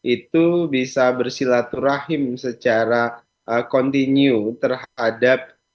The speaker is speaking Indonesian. itu bisa bersilaturahim secara kontinu terhadap